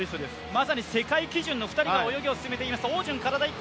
まさに世界基準の２人が泳ぎを進めています。